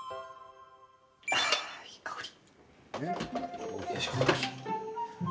ああ、いい香り。